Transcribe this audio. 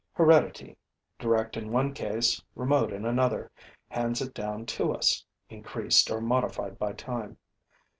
Heredity, direct in one case, remote in another, hands it down to us, increased or modified by time.